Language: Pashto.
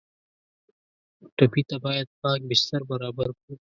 ټپي ته باید پاک بستر برابر کړو.